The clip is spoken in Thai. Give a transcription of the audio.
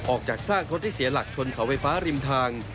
จากซากรถที่เสียหลักชนเสาไฟฟ้าริมทาง